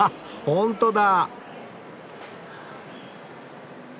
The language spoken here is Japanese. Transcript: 本当だ。